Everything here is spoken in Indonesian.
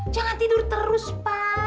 jangan tidur terus pak